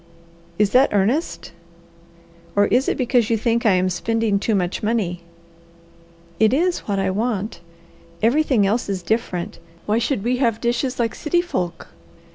"Is that earnest or is it because you think I am spending too much money?" "It is what I want. Everything else is different; why should we have dishes like city folk?